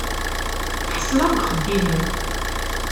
Ḥeṣleɣ deg uxeddim-iw.